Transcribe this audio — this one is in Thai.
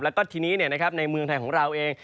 แล้วก็ทีนี้ในเมืองไทยของเราเอง